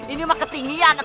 ini mah ketinggian